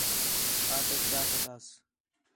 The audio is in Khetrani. آپیک چا سٹاس